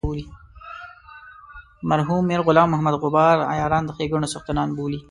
مرحوم میر غلام محمد غبار عیاران د ښیګڼو څښتنان بولي.